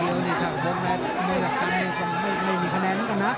แต่ว่าถีบอย่างเดียวเนี่ยครับมันก็ไม่มีคะแนนกันนะ